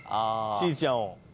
しずちゃんを？